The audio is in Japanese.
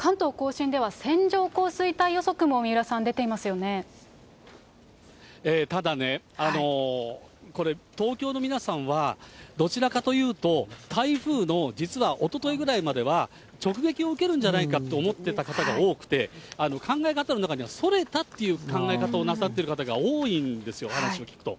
線状降水帯予測も三浦さん、ただね、これ、東京の皆さんは、どちらかというと、台風の、実はおとといくらいまでは、直撃を受けるんじゃないかと思ってた方が多くて、考え方の中にはそれたっていう考え方をなさっている方が多いんですよ、お話を聞くと。